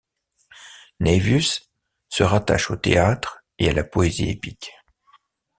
Naevius se rattache au théâtre et à la poésie épique.